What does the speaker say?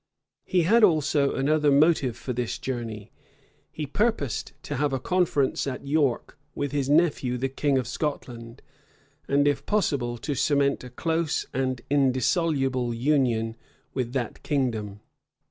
He had also another motive for this journey: he purposed to have a conference at York with his nephew the king of Scotland, and, if possible, to cement a close and indissoluble union with that kingdom.